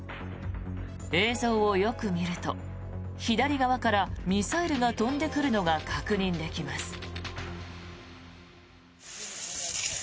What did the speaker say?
映像をよく見ると左側からミサイルが飛んでくるのが確認できます。